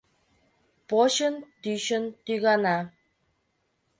Почын-тӱчын тӱгана.